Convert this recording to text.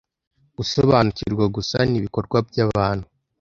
gusobanukirwa gusa n’ibikorwa byabantu